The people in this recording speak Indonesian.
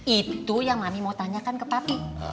itu yang mami mau tanyakan ke pati